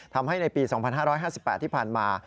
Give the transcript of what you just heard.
ทำให้ในปี๒๕๕๘ที่ผ่านมา